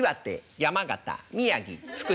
山形宮城福島。